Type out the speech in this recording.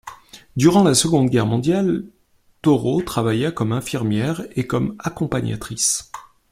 Durant la Seconde Guerre mondiale, Tauro travailla comme infirmière et comme accompagnatrice.